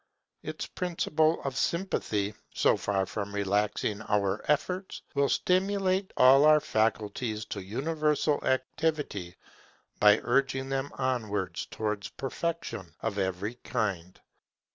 Its principle of sympathy, so far from relaxing our efforts, will stimulate all our faculties to universal activity by urging them onwards towards perfection of every kind.